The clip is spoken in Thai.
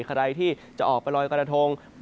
ขดัยที่จะออกไปลอยกระดาธง